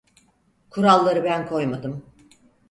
Kuralları ben koymadım.